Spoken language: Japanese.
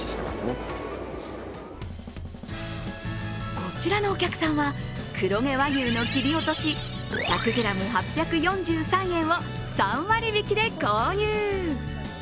こちらのお客さんは黒毛和牛の切り落とし１００ｇ８４３円を３割引で購入。